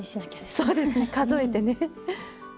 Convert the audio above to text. そうですね数えてね。